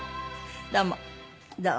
どうもどうも。